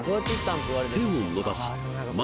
手を伸ばし窓